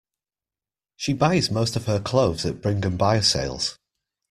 She buys most of her clothes at Bring and Buy sales